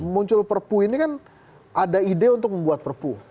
muncul perpu ini kan ada ide untuk membuat perpu